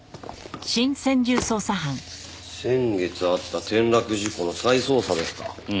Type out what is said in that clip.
先月あった転落事故の再捜査ですか。